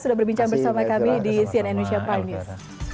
sudah berbincang bersama kami di cnn indonesia prime news